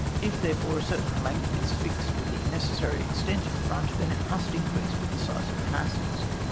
If, therefore, a certain length is fixed for the necessary extent of front, then it must increase with the size of the masses.